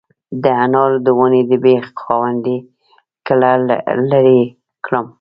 د انارو د ونې د بیخ خاوندې کله لرې کړم؟